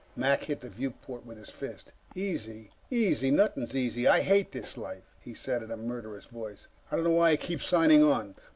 Mac hit the viewport with his fist. "Easy! Easy nothing's easy. I hate this life," he said in a murderous voice. "I don't know why I keep signing on.